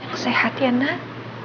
yang sehat ya nak